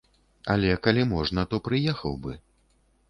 Але, калі можна, то прыехаў бы.